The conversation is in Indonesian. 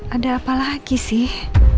ada apa lagi sih